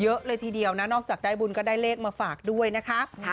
เยอะเลยทีเดียวนะนอกจากได้บุญก็ได้เลขมาฝากด้วยนะคะ